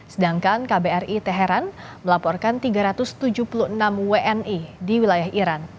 sedangkan kbri teheran melaporkan tiga ratus tujuh